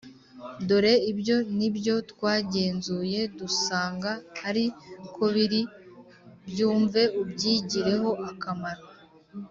dore ibyo ni byo twagenzuye dusanga ari ko biri, byumve ubyigireho akamaro”